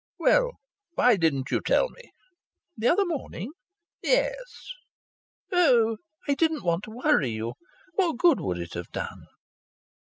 "Well, why didn't you tell me?" "The other morning?" "Yes." "Oh, I didn't want to worry you. What good would it have done?"